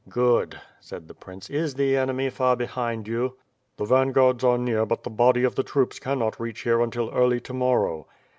"Good," said the prince. "Is the enemy far behind you?" "The vanguards are near but the body of the troops cannot reach here until early to morrow."